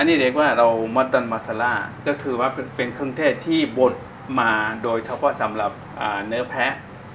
นี่เรียกว่าเรามอเตอร์มาซาร่าก็คือว่าเป็นเครื่องเทศที่บดมาโดยเฉพาะสำหรับเนื้อแพ้